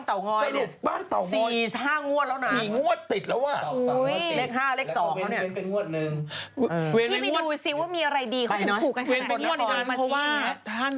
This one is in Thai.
ทุกที่ทางหมู่บ้าน